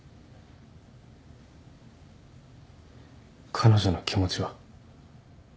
彼女の気持ちは？